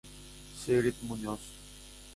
Sigrid Muñoz